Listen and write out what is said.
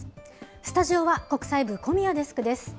スタジオは国際部、小宮デスクです。